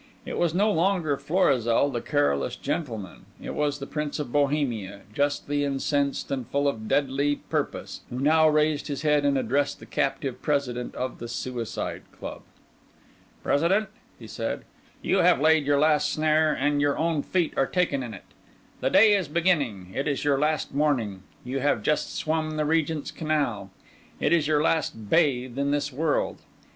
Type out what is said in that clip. It was no longer Florizel, the careless gentleman; it was the Prince of Bohemia, justly incensed and full of deadly purpose, who now raised his head and addressed the captive President of the Suicide Club. "President," he said, "you have laid your last snare, and your own feet are taken in it. The day is beginning; it is your last morning. You have just swum the Regent's Canal; it is your last bathe in this world.